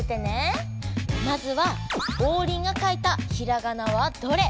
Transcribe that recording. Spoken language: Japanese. まずは「オウリンが書いたひらがなはどれ？」。